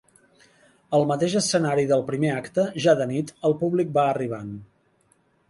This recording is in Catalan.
Al mateix escenari del primer acte, ja de nit, el públic va arribant.